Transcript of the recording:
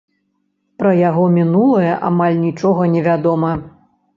Пра яго мінулае амаль нічога невядома.